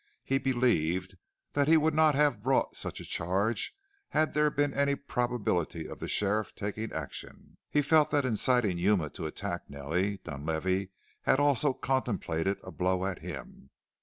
He believed that he would not have brought such a charge had there been any probability of the sheriff taking action. He felt that in inciting Yuma to attack Nellie, Dunlavey had also contemplated a blow at him.